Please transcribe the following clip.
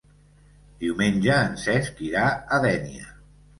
Diumenge en Cesc irà a Dénia.